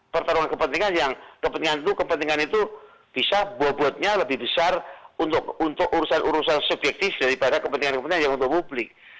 pertarungan kepentingan yang kepentingan itu bisa bobotnya lebih besar untuk urusan urusan subjektif daripada kepentingan kepentingan yang untuk publik